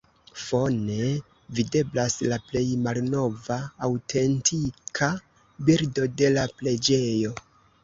Fone videblas la plej malnova aŭtentika bildo de la preĝejo.